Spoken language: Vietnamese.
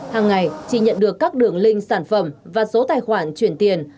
hàng ngày chị nhận được các đường link sản phẩm và số tài khoản chuyển tiền